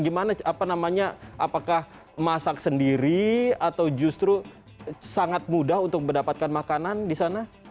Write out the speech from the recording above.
gimana apa namanya apakah masak sendiri atau justru sangat mudah untuk mendapatkan makanan di sana